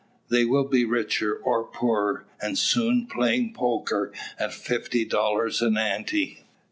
They will be richer, or poorer. And soon; playing "poker" at fifty dollars an "ante."